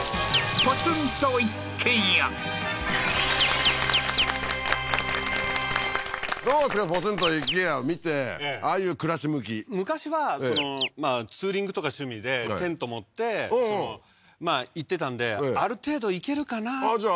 ポツンと一軒家を見てああいう暮らし向き昔はまあツーリングとか趣味でテント持って行ってたんである程度いけるかなあっ